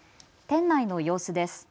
店内の様子です。